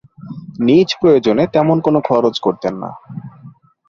নিজ প্রয়োজনে তেমন কোন খরচ করতেন না।